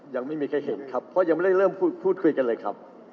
ยังไม่มีใครเห็นครับเพราะยังไม่ได้เริ่มพูดคุยกันเลยครับ